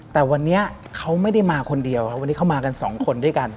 แต่วันนี้เขาไม่ได้มาคนเดียวครับวันนี้เขามากันสองคนด้วยกัน